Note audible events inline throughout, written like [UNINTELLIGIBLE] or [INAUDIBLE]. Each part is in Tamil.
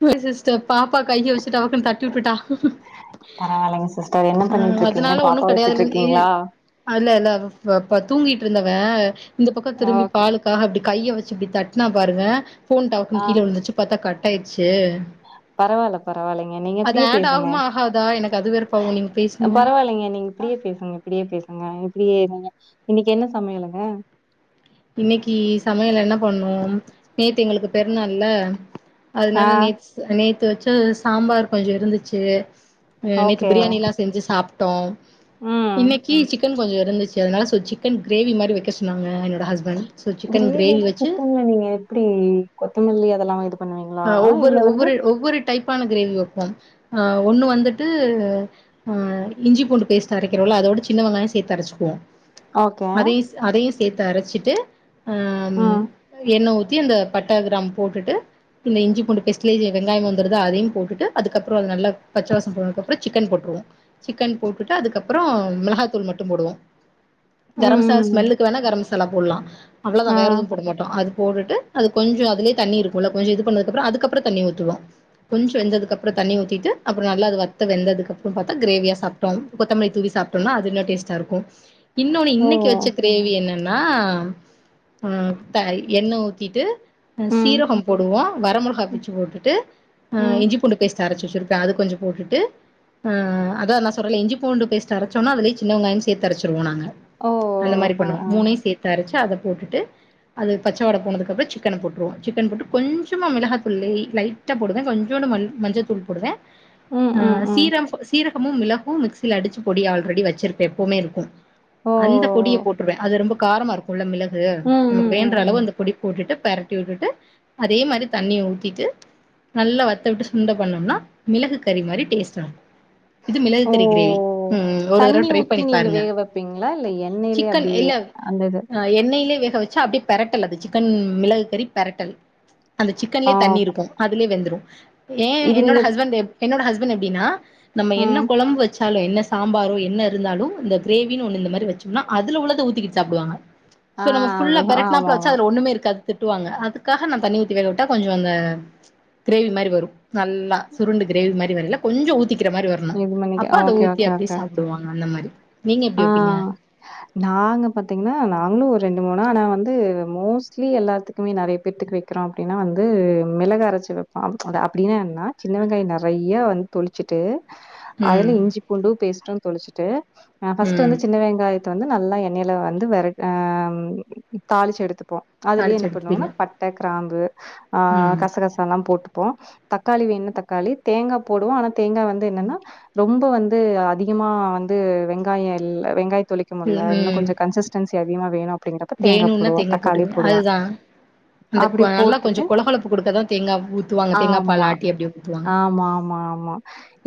[UNINTELLIGIBLE] சிஸ்டர் பாப்பா கைய வச்சுட்டு டபக்குனு தட்டி விட்டுட்டா. பரவாயில்லைங்க சிஸ்டர் என்ன பண்ணிட்டு ஆஹ் இருக்கீங்க அதனால பாப்பா ஒண்ணு வச்சுட்டு கிடையாதுல்ல இ இருக்கீங்களா அல்ல ல்ல [UNINTELLIGIBLE] தூங்கிட்டு இருந்தவ இந்த பக்க திரும்பி ஓகே பாலுக்காக இப்டி கைய வச்சு இப்டி தட்னா பாருங்க போன் டவுக்கு கீழ விழுந்துச்சு பாத்தா கட் ஆயடுச்சு பரவால்ல பரவாலங்க நீங்க இப்டியே ஆட் பேசுங்க ஆகுமா ஆகாதா எனக்கு அது வேற பாவம் நீங்க பேசுங்க பரவால்லைங்க நீங்க இப்டியே பேசுங்க இப்டியே பேசுங்க இப்டியே [UNINTELLIGIBLE] இன்னைக்கு என்ன சமையலங்க இன்னைக்கு சமையல் என்ன பண்ணோம் நேத்து எங்களுக்கு பெருநாள்ல்ல ஆ அதுனால நேத் நேத்து வச்ச சாம்பார் கொஞ்ச இருந்துச்சு அ நேத்து ஓகே பிரியாணிலா செஞ்சு சாப்டோ ம் இன்னிக்கு சிக்கன் கொஞ்ச இருந்துச்சு அதனால ஸ் சிக்கன் கிரேவி மாரி வக்க சொன்னாங்க என்னோட ஹஸ்பண்ட் சோ சிக்கன் கிரேவி கிரேவினா வச்சு சிக்கன்ல நீங்க எப்டி கொத்தமல்லி அதெல்லாமா இது ப் ஆ ஒவ்வொரு ஒவ்வொரு ஒவ்வொரு டைப் பான கிரேவி வப்போ அ ஒன்னு வந்துட்டு இஞ்சி பூண்டு பேஸ்ட் அரக்கிறோல அது ஓட சின்ன வெங்காய சேத்து அரச்சுக்குவோ ஓகே அதையு ஸ் அதையு சேத்து அரச்சசுட்டு அஹ் ம் எண்ண ஊ த்தி அந்த பட்ட கிராம் போட்டுட்டு இந்த இஞ்சி பூண்டு பெஸ்ட்லயே வெங்காயமு வந்துருதா அதையு போட்டுட்டு அதுக்கப்புற அத நல்ல பச்சவாசம் போனதுக்கப்புற சிக்கன் போட்றுவோ சிக்கன் போட்டுட்டு அதுக்கப்புற மிளகாத்தூள் மட்டு போடுவோ கரம்சாலா ம் ம் ம். ஸ்மெல்லுக்கு வேணா கரம் மசாலா போடலா அவ்ளோதா ஆ வேற எதுவு போட மாட்டோ அது போட்டுட்டு அது கொஞ்ச அதுலயே தண்ணி இருக்குல கொஞ்ச இது பண்ணதுகப்ற அதுக்கப்புற தண்ணி ஊத்துவோ கொஞ்ச வெந்ததுக்கு அப்புற தண்ணி ஊத்திட்டு அப்பற நல்லா அது வத்த வெந்ததுக்கப்புற பாத்தா கிரேவியா சாப்டோ கொத்தமல்லி தூவி ஸ் சாப்டோனா அது இன்னு டேஸ்டா இருக்கு இன்னொன்னு ஓ இன்னைக்கு வச்ச கிரேவி என்ன னா அ எண்ணெ ஊத்திட்டு ம் சீரகம் போடுவோ வர மிளகா ம் பிச்சு போட்டுட்டு அஹ் ம். இஞ்சிபூண்டு பேஸ்ட் அரச்சு வச்சிருப்பே அது கொஞ்ச போட்டுட்டு ஆஹ் அத நா சொல்றல இஞ்சிபூண்டு பே்ஸ்ட அரச்சோனா அதுலயே சின்னவெங்காயமும் சேத்து அரச்சிருவோ நாங்க ஓ அந்த மாரி ஆ பண்ணுவோ ஆ மூணயும் சேத்து அரச்சு ட அத போட்டுட்டு அது பச்சைவாடை போனதுக்குப்புற சிக்கன போட்டுருவோ சிக்கன போட்டு கொஞ் சமா மிளகா தூள் லே லைட்டா போடுவே கொஞ்சோன்டு ம மஞ்சள் தூள் போடுவே ம் ம் அஹ் ம் சீரம் சீர மும் மிளகு மிக்சில அடுச்சு பொடி ஆல்ரெடி வச்சிருப்பே எப்போமே இருக்கு ஓ அந்த பொடிய போட்டுருவே அது ரொம்ப காரமா இருக்குல மிளகு ம் நமக்கு ம் ம் வேன்ற ம் அளவு அந்த பொடி போட்டுட்டு பெரட்டி வுட்டுட்டு அதே மாரி ப் தண்ணிய ஊத்திட்டு நல்லா வத்த விட்டு சுண்ட பண்ணம்னா மிளகு கறி மாரி டேஸ்டா இருக்கு இது ஓ! மிளகுகறி கிரேவி ம் ஒரு தடவ தண்ணி ட்ரை ஊத்தி பண்ணி நீங்க பாருங்க வேக வைப்பீங்களா? இல்ல எண்ணெயிலயே சிக்கன் எ அப்படியே அந்த இது. [UNINTELLIGIBLE] எண்ணெய்லயே வேக வச்சு அப்டியே பெரட்டல் அது சிக்கன் மிளகு கறி பெரட்டல் அந்த ஆ சிக்கன்லயே தண்ணி ஓகே. இருக்கு அதுலயே வெந்துடு ஏன் இது என்னோட நீங்க ஹஸ்பண்ட் எ என்னோட ஹஸ்பண்ட் எப்டினா நம்ம என்ன ம். கொழம்பு வச்சு லு என்ன சாம்பாரோ என்ன இருந்தாலு இந்த கிரேவினு ஒண்ணு இந்த மாரி வச்சோம்னா அதுல உள்ளத ஊத்திகிட்டு சாப்டுவாங்க ஆ சோ நம்மஃபுல்லா பெரட்னாலப்ப வச்சா ஆமாமா. அதுல ஒண்ணுமே இருக்காதுனு திட்டுவாங்க அதுக்காக நான் தண்ணி உ க விட்ட கொஞ்ச அந்த கிரேவி மாரி வரு நல்லா சுருண்டு கிரேவி மாரி வரேல கொஞ்ச ஊத் த்திக்கிற மாரி வரணு இது பண்ணிக்க. அப்ப அத ஊத்தி அப்டி சாப்டுவாங்க அந்த மாரி நீங்க எப்டி வப்பீங்க ஆஹ் நாங்க பாத்தீங்னா நாங்ளு ஒரு ரெண்டு மூணு நா நா வந்து மோஸ்ட்லி எல்லாத்துக்குமே நெறைய பேத்துக்கு வக்கிறோ அப்டினா வந்து மிளகரைச்சி வப் [UNINTELLIGIBLE] அப்டினா என்னனா சின்ன வெங்காய நெறய வந் தொளுச்சுட்டு அதுல ம் இஞ்சி பூண்டு பேஸ்ட்டு தொளுச்சுட்டு ஹ பர்ஸ்ட் ம் வந்து சின்ன வெங்காய் த வந்து நல்லா எண்ணெயில வந்து வெ அ தாளிச்சு எடுத்துப்போ அதுலயே தாளிச்சு என்ன எடுத்துப்பீங்க பண்ணுவாங்னா பட்ட கிராம்பு ஆஹ் ம் கசகசாலா போட் இப்போ தக்காளி வேன தக்காளி தேங்கா போடுவோ ஆனா தேங்கா வந்து என்னன்னா ரொம்ப வந்து அதிக மா வந்து வெங்காய இல்ல வெங்காய துளிக்க முடியல இன்னு ம் கொஞ்ச கன்சிஸ்டன்சி அதிகமா வேணு அப்படிங்கறப்ப தேங்கா வேணுன்னா போடுவோ தக்காளி போட்டுங்க போடுவா அதுதா அந்த நல்லா கொஞ்ச கொலகொழப்பு கொடுக்க தா தேங்கா ஊத்துவாங்க தேங்கா பால் ஆமா ஆட்டி அப்படியே ஊத்துவாங்க ஆமா ஆமா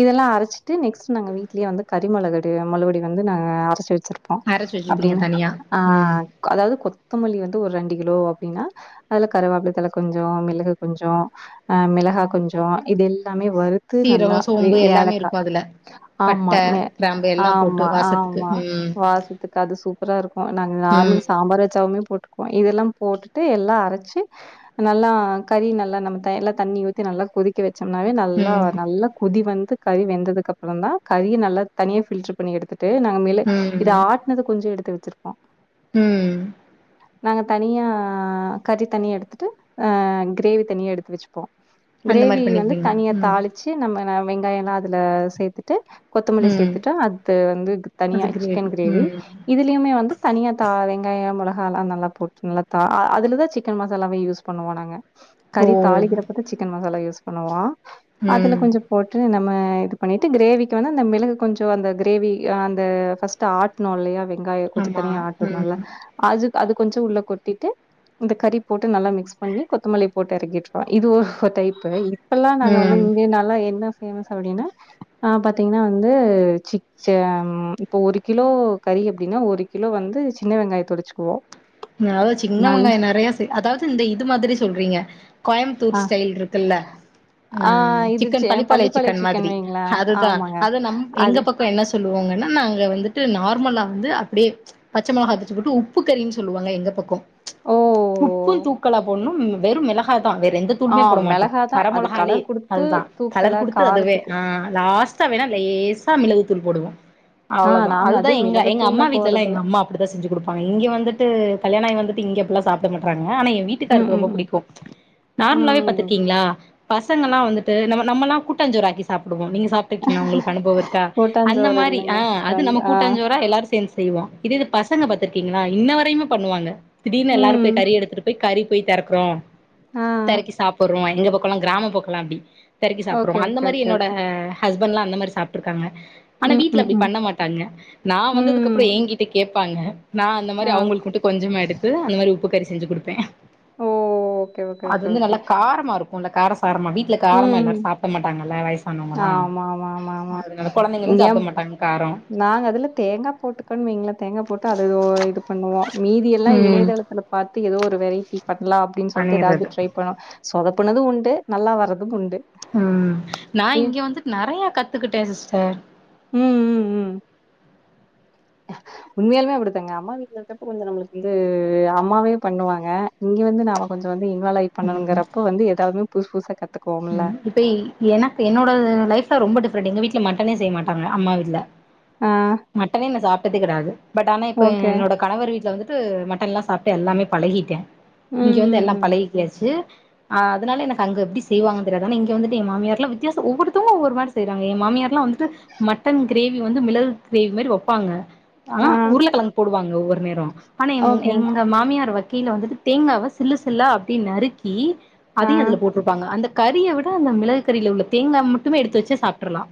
இதெல்லா அரைச்சிட்டு நெக்ஸ்ட் நாங்க வீட்லையே வந்து கறி மளக மொலவடி வந்து நா அரைச்சு வச் வச்சிருப்போ அரச்சு வச்சுப்பீங்க அப்படின்னா தனியா ஆ ம் அதாவது கொத்தமல்லி வந்து ஒரு ரெண்டு கிலோ அப்படின்னா அதுல கருவேப்பில்லத்தல கொஞ்ச மிளகு கொஞ்ச ஆ மிளகா கொஞ்ச இதுயெல்லாமே மே வறுத்து நல்லா சீரகோ வே சோம்பு எல்லாமே ஏலக்கா இருக்கு அதுல ஆமா பட்ட கிராம்பு எல்லா போட்டு ஆமா வாசத்துக்கு ஆமா ம் வாசத்துக்கு அது சூப்பரா இருக்கு நாங்க ம் நார்மல் சாம்பார்ச்சாவுமே போட்டுக்குவோ இதெல்லா போட்டுட்டு எல்லா அரச்சி நல்லா கறி நல்லா நம்ம எல்லா தண்ணி ஊத்தி நல்லா கொதிக்க வ ச்சம்னாவே நல்லா ம் நல்லா கொதி வந்து கறி வெந்ததுக்கு அப்புறம் தா கறிய நல்லா தனியா பில்டர் பண்ணி எடுத்து நாங்க மேல இத ஆட்டுனது கொஞ்ச எடுத்து வச்சிருப்போ உம் நாங்க தனியா கறி தனிய எடுத்துட்டு அ கிரேவி தனியா எடுத்து வச்சுப்போ அந்த மாரி கிரேவி வந்து பண்ணிப்பீங்க தனியா ம் தாளிச்சு நம்ம வெங்காய எல்லா அதுல சேர்த்துட்டு கொத்தமல்லி ம் சேர்த்துட்டுட்டா அது வந்து அது தனியா சிக்கன் கிரேவி ம் இதுலயுமே வந் வந்து தனியா தா வெங்காய மொளகா எல்லா நல்லா போட்டு நல்லா தா அதில தா சிக்கன் மசாலாவே யூஸ் பண்ணுவோ நாங்க ஓ கறி தாளிக்கிறப்பத சிக்கன் மசாலா யூஸ் பண்ணுவ அதுல ம் கொஞ்ச போட்டு நம்ம இது பண்ணிட்டு கிரேவிக்கு வந்து அந்த மிளகு கொஞ்ச அந்த கிரேவி அந்த ஆ பஸ்டு ஆட்டனோ இல்லையா வெங்காய கொஞ்ச ஆமா தனியா ஆட்டணுல்ல ம் அது அது கொஞ்ச உள்ள கொட்டிட்டு இந்த கறி போட்டு நல்லா மிக்ஸ் பண்ணி கொத்தமல்லி போட்டு இறக்கிட்டுருவ இது ஒரு டைப்பு இப்பெல்லா நாங்க வந்து ம் இங்க நல்லா என்ன பேமஸ் அப்படின்னா ஆ பாத்தீங்கன்னா வந்து சிக் ச ம் இப்போ ஒரு கிலோ கறி அப்படின்னா ஒரு கிலோ வந்து சின்ன வெங்காய தொடிச்சுக்குவோ தாவது சின்னவங்காய நெறைய சே அதாவது இந்த இது மாதிரி சொல்றீங்க ஆ கோயபுத்தூர் ஸ்டைல் ருக்குல்ல ஆ இது ச சிக்கன் பளிப்பாளைய பள்ளிப்பாளைய சிக்கன் மாதிரி வைங்களே அதுதா ஆமாங்க அது நம் எங்க அது பக்கம் என்ன சொல் ஓங்கன்னா நாங்க வந்துட்டு நார்மலா வந்து அப்படியே பச்ச மிளகாபிச்சிபோட்டு உப்பு கறினு சொல்லுவாங்க எங்க பக்க ஓ உப்பு தூக்களா போடும் வெறு மிளகா தா வேற எந்த ஆ தூலுமே போட மாட்டோ மெளகாதா வர அது மொலகாளே கலர் குடுத்து அதுதா தூக்கல கலர் குடுத்து அதுவே காரத்துக்கு ஆ லாஸ்ட் ச வேணா லேசா மிளகுதூள் போடுவோ ஆ அவ்வளதா நாங்க அதுதா அது எங்க எங்க மிளகுத்தூள்லா அம்மா வீட்டுல எல்லா எங்க போட்றதில்ல அம்மா அப்படிதா செஞ்ஜி குடுப்பாங்க இங்க வந்து து கல்யாண ஆகி வந்துட்டு இங்க அப்படிலா சாப்ட மாட்டுறாங்க ஆனா எ ம் வீட்டுக்காருக்கு ம் ரொம்ப ம் பிடிக்கு நார்மலாவே ம் ம் பாத்திருக்கீங்களா பசங்க எல்லா வந்துட்டு நம்ம நம்மலா கூடாஞ்சோறு ஆக்கி சாப் டுவோ நீங்க சாப்ட்ருக்கீங்களா உங்களுக்கு அனுபவ இருக்க அந்த கூட்டாஞ்சோறு மாதிரி இல்லங்க ஆ அது நம்ம ஆ கூட்டாஞ்சோரா எல்லாரு சேந்து செய்வோ இதே இது பசங்க பாத்திருக்கீங்களா இன்ன வரையமே பண்ணுவாங்க திடீர்னு எல்லாரு ம் போய் கறி எடுத்துட்டு போய் கறி போய் தெறக்குறோ ஆ தெறக்கி சாப்புர்றோ எங்க பக்கோலா கிராம பக்கோலா அப்டி தெறக்கி ஓகே, சாப்பிடுவோ அந்த ஓகே, மாரி ஓகே, என்னோட ஓகே. ஹஸ்பண்ட்லா அந்த மாரி சாப்ட்ருக்காங்க ஆனா ம், வீட்ல ம், அப்டி ம். பண்ண மாட்டாங்க நா ம். வந்ததுக்கப்றோ எங்கிட்ட கேப்பாங்க நா அந்த மாரி ஆ. அவுங்குளுக் கொஞ்சமா எடுத்து அந்த மாரி உப்பு கறி செஞ்சு குடுப்பே ஓ! ஓகே, ஓகே, அது ஓகே, வந்து நல்ல ஓகே. காரமார்க் கொஞ்சோ கார சாரமா வீட்டுல காரமா ம். எல்லாரு சாப்ட மாட்டாங்கல்ல வயசானவங்கல்லா ஆமா, ஆமா, ஆமா, ஆமா. அதுனால கொழந்தைகளு சாப்ட ஏன் மாட்டாங்க்கா நாங்க அதுல தேங்கா போட்டுக்குன் வைங்களே தேங்கா போட்டு அது ஓ இது பண் தா மீதி எல்லா ம் இணையதளத்துல பாத்து ஏதோ ஒரு வெரைட்டி பண்ணலா அப்டின்னு சொல்லிட்டு பண்ணிறது ஏதாது ட்ரை பண்ணோ சொதப்புனதூ உண்டு நல்லா வரதுக்குண்டு ம் நா இங்க வந்துட் நறைய கத்துக்கிட்டே சிஸ்டர் ம் ம் ம் உண்மையாலுமே அப்டித்தாங்க அம்மா வீட்லருக்கப்ப கொஞ்ச நம்ளுக் வந்து அம்மாவே பண்ணுவாங்க இங்க வந்து நாம கொஞ்சோ வந் இன்வால்ய்லாகி பண்ணுங்கறப்ப வந்து எதாவது புதுச புதுசா கத்து இப்பஐ எனக்கு என்னோட லைஃப்ல ரொம்ப டிஃப்ரெண்ட் எங்க வீ ட்ல மட்டனே செய்ய மாட்டாங்க அம்மா வீட்டுல ஆ. மட்டனே நா சாப்டதே கெடையாது பட் ஆனா இப்ப ஓகே. என்னோட கணவர் வீட்ல வந்துட்டு மட்டன்லா சாப்ட்டு எல்லாமே பழகிட்டே ம், இங்க வந்து எல்லா ம், ம். பழகிக்யாச்சு அ அதனால எனக்கு அங்க பிஸ் செய்வாங்கன்னு தெரியாது ஆனா இங்க வந்துட்டு ஏ மாமியார்லா வித்தியாச ஒவ்வொருத்தவங்க ஒவ்வொரு மாரி செய்றாங்க ஏ மாமியார்லா வந்துட்டு மட்டன் கிரே வி வந்து மிளகு கிரேவி மாரி வப்பாங்கா ஆனா ஆ. உருள கெழங்கு போடுவாங்க ஒவ்வொரு நேரோ ஆனா ஓகே, ஓகே. எங்க மாமியார் வச் கீல வந்துட்டு தேங்காவ சில்லு சில்லா அப்டி நறுக்கி ஆ, அதயு அதுல போட்டு அந்த கறிய விட அந்த மிளகுகறில உள்ள தேங்கா மட்டுமே எடுத்து வச்சு சாப்டுரலா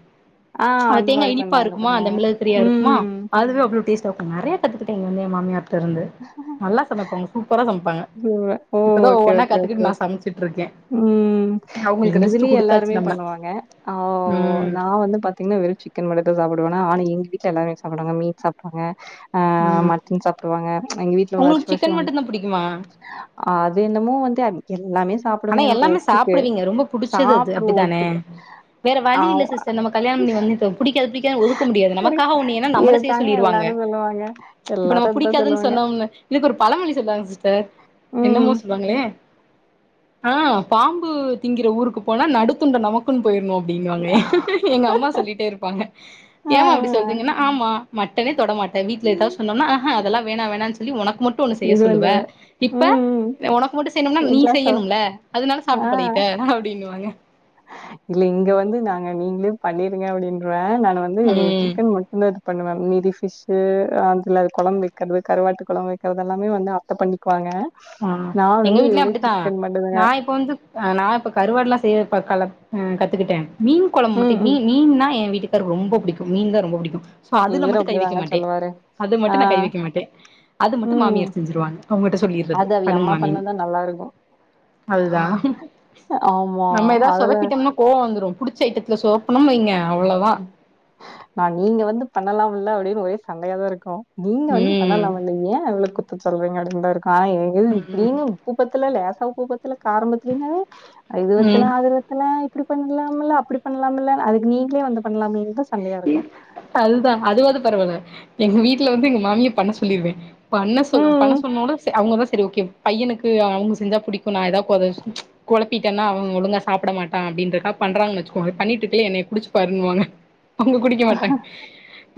ஆ அந்த தேங்கா மாரி இனிப்பா பண்ணுவாங்க, இருக்குமா அந்த பண்ணுவாங்க. மிளகு திரியா இருக்குமா ம். அதுவே அவ்ளோ டேஸ் நெறய கத்துக்கிட்ட இங்க வந்து எ மாமியாரிட்ட இருந்து நல்லா சமைப்பாங்க சூப்பரா சமைப்பாங்க சூப்பர். ஓ! இப்பதா ஓகே, ஒவ்வொன்னா ஓகே, கத்துக்கிட்டு நா சமச்சிட்டு இருக்கே எங்கிதுலேயு எல்லாருமே பண்ணுவாங்க ஆவ் ம் நா வந்து பாத்தீங்னா வெறு சிக்கன் மட்டு சாப்பிடு வேனா ஆனா எங்க வீட்ல எல்லாமே சாப்டுவாங்க மீன் சாப்டுவாங்க ஆ மட்டன் சாப்டுவாங்க எங்க வீட் உங்குளுக்கு சிக்கன் மட்டுந்தா புடிக் அது என்னமோ வந்து அதுக்கெல்லாமே ஆனா எல்லாமே சாப்புடுவீங்க ரொம்ப புடிச்சது அது சாப்பிடுவோம் அப்டிதானே ஒத்துக்கு. வேற வழி இல்ல ஆமா. சிஸ்டர் நம்ம கல்யாணபண்ணி வந்துட்டோ புடிக்காது புடிக்காதுன் ஒதுக்க முடியாது நமக்காக ஒன்னு ஏனா இத நம்மள செய்ய தாங்க சொல்லிருவாங்க எல்லாரும் சொல்லுவாங்க. இப்ப நம்ம எல்லாரும் அதான் புடிக்காதுன் சொல்லுவாங்க. சொன்னோம்ல இதுக்கொரு பழமொழி சொல்ல ஆ சிஸ்டர் என்னமோ ம். சொல்லுவாங்களே ஆ பாம்பு திங்குற ஊருக்கு போனா நடுத்துண்ட நமக்குன் போயிர்ணூ அப்டின்னுவாங்க எங்கம்மா சொல்லிட்டேருப்பாங்க ஏமா அப்டி சொல்றீங்கனா ஆமா மட்டனே தொடமாட்டே வீட்ல எதாவு சொன்னோமுனா ஆஹா அதெல்லா வேணா வேணான் சொல்லி உனக் கு மட்டு ஒன்னு செய்ய இது சொல்லுவ பண்ணுவே இப்ப ம் ம் ஒனக்கு மட்டு செய்ணுனா என் நீ கிளாஸ் அவ செய்யணூல அதுனால சாப்ட்டு பழகிட்ட அப்டின்னுவாங்க லிங்க வந்து நாங்க நீங்ளே பண்ணிருங்க அப்டின்றுவே அ நானு வந்து ம் சிக்கன் மட்டுந்தா இது பண்ணுவே மீதி ஸ் ஃபிஷ்ஷு அதுல கொழம்பு வெக்கிறது கருவாட்டு கொழம்பு வெக்கிறதெல்லாமே வந்து அத்த பண்ணிக்குவாங்க ஆ நா எங்க வந்து வீட்லயு வெறு அப்பிடிதா சிக்கன் மட்டுந்தாங்க நா இப்ப வந்துக் நா இப்ப கருவாடுலா செய்யற் வா கலக் ஆ கத்துக்கிட்டே மீன் கொழம்ப் மட்டு ம் ம் மீன் மீன்னா ஏ வீட்டுக் க ரொம்ப புடிக்கூ மீன் தா ரொம்ப புடிக்கூ சோ அதுல இவரு மட்டு கை வெக்க அப்டிதாங்க மாட்டே சொல்லுவாரு அது ஆ மட்டு நா கை வீக்க மாட்டே அது மட்டு ம் மாமியார் செஞ்சிருவாங்க அவுங்கட்ட சொல்லிர்றது அது ஏ அம்மா பண்ணதா நல்லாருக்கூ அதுதா நம்ம எதாவ் அதெல்லா சொதப்பிட்டம்னா கோவோ வந்துரூ புடிச்ச ஐட்டத்துல சோப்புனும் வைங்க அவ்ளோதா நீங்க வந்து பண்ணலாமுல்ல அப்டின் ஒரே சண்டையா தா இருக்கோ நீங்க வந்து ம் பண்ணலாமல்ல ஏ அவள கூப்ட்டு சொல்றீங்க அப்டின்தாருக்கூ ஆ ம் [UNINTELLIGIBLE] உப்பு பத்தல லேசா உப்பு பத்துல காரோ பத்தலேனாவே அ இதுவத்துல ம் அதுவத்துல இப்டி பண்ணலாம்ல்ல அப்டி பண்ணலாம்ல்ல அதுக்கு நீங்களே வந்து பண்ணலாமேன்தா ஸ் அதுதா அதுவாது பரவால்ல எங்க வீட்ல வந்து எங்ள் மாமி பண்ண சொல்லிருவே பண்ண சொல்லூ பண்ண ம், சொன்னோட செ அவுங்கொருவ செரி ஓகே பையனுக்கு அவுங்க செஞ்சா புடிக்கூ நா எதா கொதச் கொழப்பிட்டன்னா அவுங்க ஒழுங்கா சாப்ட மாட்டா அப்டின்றக்கா பண்றாங்க வச்சிக்கோங்க பண்ணிட்ருக்குலே என்னைய குடிச்சி பாருன்னுவாங்க அவுங்க குடிக்க மாட்டாங்க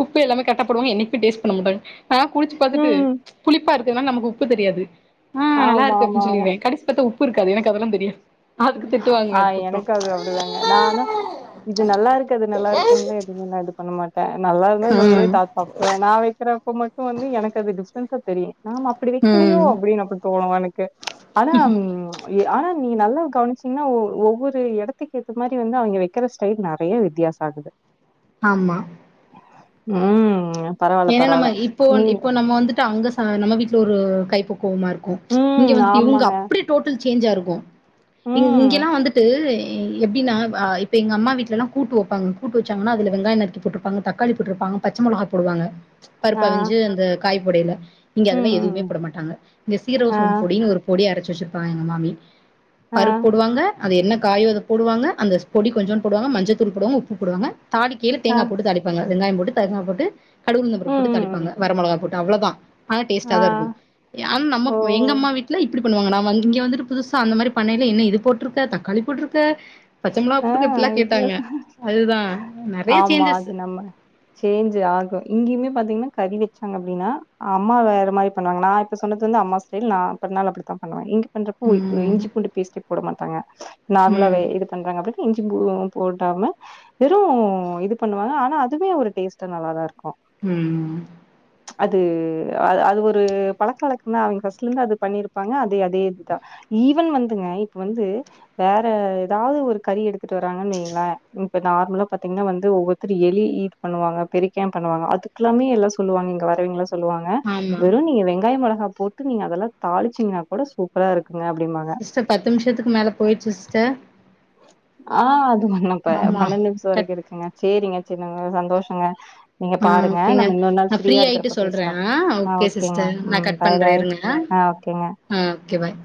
உப்பு எல்லாமே கரெக்டா போடுவாங்க என்னிக்மே டேஸ்ட் பண்ண மாட்டாங்க ஆ குடிச் பாத்துட்டு ம். புளிப்பா இருக்குதுனா நமக்கு உப்பு தெரியாது ஹா ஆமா, நல்லாருக்கு ஆமா, அப்டின் ஆமா. சொல்லிருவே கடைஸ் பாத்தா உப்புருக்காது எனக்கு அதெல்லா தெரியாது அதுக்கு திட்டு ஆ வாங்குவே அதுக்கப்றோ எனக்கூ அது அப்டிதாங்க நானூ இது நல்லாருக்கு அது நல்லாருக்குன்லா எது நாலா இது பண்ண மாட்டே நல்லாருந்தா நல்ல ம் தா சப் நா வெக்கிற இப்ப மட்டு வந்து எனக்கு அது டிஃப்ரென்ஸா தெரியு நாம அப்டி வெக்கலியோ ம் அப்டின் அப்ப தோணூ எனக் ஆனாம் ஆனா நீ நல்லா கவனிச்சீங்னா ஒவ்வொரு எடத்துக்கேத்த மாரி வந்து அவிய்ங்க வெக்கிற ஸ்டைல் நறைய வித்தியாசோ ஆகுது ஆமா ம் பரவால்ல, ஏனா நம்ம பரவால்ல. இப்போன் நீங்க இப்போ நம்ம வந்துட்டு அங்க ஸ் ஆ நம்ம வீட்ல ஒரு கைப்பக்குவமார்க்கூ இங்க ம். வந்துட்டு இவுங்க ஆமாங்க. அப்டி டோட்டல் சேஞ்சார்க்கூ இங் ம். இங்கல்லா வந்துட்டு எ எப்டினா ஆ இப்ப எங்கம்மா வீட்லலா கூட்டு வொப்பாங்க கூட்டு வச்சாங்கனா அதுல வெங்காய நறுக்கி போட்ருப்பாங்க தக்காளி போட்ருப்பாங் அ பச்ச மொளகா போடுவாங்க ஆ. பருப்பவிஞ்சு அந்த காய் போடையில இங்க அதெல்லா ம், எதூமே ம். போட மாட்டாங்க இந்ந ஆ, சீரகசோம் பொடின்னு ஒரு பொடி அரச்சு வச்சிர்ப்பாங்க எங்க மாமி ஆ, பருப் போடுவாங்க அது என்ன காயோ அத போடுவாங்க அந்த பொடி கொஞ்சோன் போடுவாங்க மஞ்சத்தூள் போடுவாங்க உப்பு போடுவாங்க தாளிக்கேல ஆ. தேங்கா போட்டு தாளிப்பாங்க வெங்காய்ம் போட்டு தேங்கா போட்டு கடுகுளுந்த்தம் பருப்பு ம், போட்டு ம். தாளிப்பாங்க வர மொளகா போட்டு அவ்ளோதா ஆனா டேஸ்ட்டா ஆ. தான் இருக்கும் ஆனா ஓ! நமக் எங்க அம்மா வீட்ல எப்டி பண்ணுவாங்கனா நாம் வந் இங்க வந்துட்டு புதுசா அந்த மாதிரி பண்னைல என்ன இது போட்ருக்க தக்காளி போட்ருக்க பச்ச மிளா ஆ போட்ருக்க இப்டிலா கேட்டாங்க வித்தியாசம். அதுதான் நெறைய ஆமா. சேஞ்சஸ் அது நம்ம சேஞ்ச் ஆகும் இங்கயுமே பாத்தீங்னா கறி வச்சாங்க அப்டின்னா அம்மா வேற மாரி பண்ணுவாங்க நா இப்ப சொன்னது வந்து அம்மா ஸ்டைல் நா நாலா அப்டித்தா பண்ணுவாங் இங்க பண்ரப்ப ம் இஞ்சி பூண்டு பேஸ்ட் போட மாட்டாங்க நார்மலாவே ம் இது க்கு இஞ்சி பூ போடாம வெறும் இது பண்ணுவாங்க ஆனா அதுவே ஒரு டேஸ்ட்ட நல்லா தா இருக்கும் ம் அது அ அது ஒரு பழக்க வழக்கம்தான் அவங்க பர்ஸ்ட்லேருந்து அது பண்ணிருப்பாங்க அது அதே இதுதான் ஈவன் வந்துங்க இப்ப வந்து வேற ஏதாவது ஒரு கறி எடுத்துட்டு வராங்கன் வைங்களே இப்ப நார்மலா பாத்தீங்கன்னா வந்து ஒவ்வொருத்தரு எலி ஈட் பண்ணுவாங்க பெரிக்காயம் பண்ணுவாங்க அதுக்கல்லாமே எல்லா சொல்லுவாங்க இங்க வரவைங்களா சொல்லுவாங்க ஆமா வெறும் நீங்க வெங்காயம் முளகா போட்டு நீங்க அதெல்லாம் தாளிச்சீங்கன்னா கூட சூப்பரா இருக் சிஸ்டர் பத்து நிமிஷத்துக்கு மேல போயிச்சு சிஸ்டர் ஆ அது பண்ணப்ப ஆமா பன்னெண்டு நிமிஷம் கட் வரைக்கும் இருக்குங்க செரிங்க செரிங்க சந்தோஷங்க நீங்க ம் பாருங்க ஓகேங்க நம்ம இன்னொரு நாள் நா ஃப்ரீ ஃப்ரீயா ஆயிட்டு இருக்கறப்ப சொல்றே பேசலாம் ஆ ஓகே ஓகேங்க சிஸ்டர் பாய் பாய் ஆ ஓகேங்க ம் ஓகே பாய்